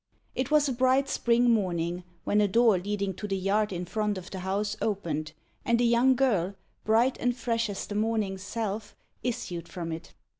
It was a bright spring morning, when a door leading to the yard in front of the house opened, and a young girl, bright and fresh as the morning's self, issued from it.